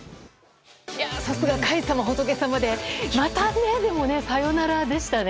さすが、甲斐様、仏様でまたサヨナラでしたね。